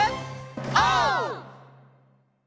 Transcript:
オー！